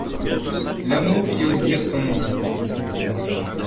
L'Amour qui ose dire son nom.